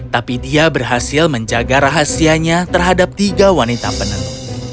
tapi dia berhasil menjaga rahasianya terhadap tiga wanita penentu